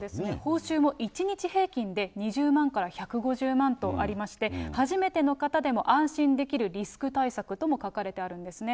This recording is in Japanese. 報酬も１日平均で、２０万から１５０万とありまして、初めての方でも安心できるリスク対策とも書かれてありますね。